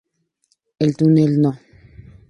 El túnel No.